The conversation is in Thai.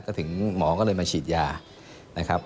ก็ถึงหมอก็เลยมาฉีดยานะครับ